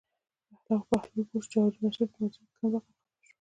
بهلول پوه شو چې هارون الرشید په مجلس کې کم راغی او خپه شو.